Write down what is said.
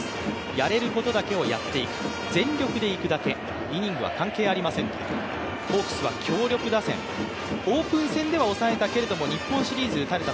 やれることだけをやっていく全力でいくだけ、イニングは関係ありませんとホークスは強力打線、オープン戦では抑えたけれども日本シリーズ打たれた、